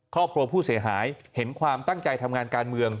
ครอบครัวผู้เสียหายเห็นความตั้งใจทำงานการเมือง